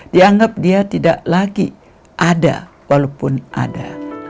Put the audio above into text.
dianggap dia tidak lagi ada walaupun ada